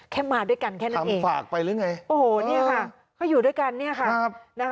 แค่มาด้วยกันแค่นั้นเองโอ้โหนี่ค่ะคืออยู่ด้วยกัน